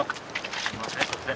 すいません突然。